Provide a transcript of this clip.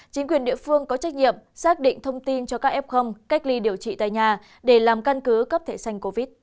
chính quyền địa phương có trách nhiệm xác định thông tin cho các f cách ly điều trị tại nhà để làm căn cứ cấp thể xanh covid một mươi